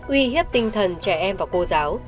uy hiếp tinh thần trẻ em và cô giáo